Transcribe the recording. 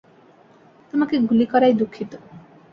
তোমাকে গুলি করায় দুঃখিত!